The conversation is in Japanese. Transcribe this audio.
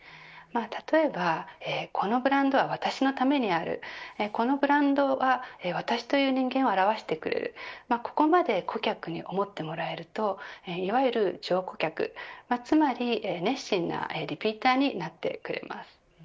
例えばこのブランドは私のためにあるこのブランドは、私という人間を表してくれるここまで顧客に思ってもらえるといわゆる上顧客、つまり熱心なリピーターになってくれます。